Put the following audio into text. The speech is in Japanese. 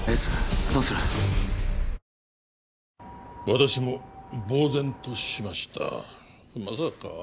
私もぼう然としましたまさか